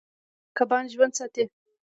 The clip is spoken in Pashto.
کبان ژوند ساتي.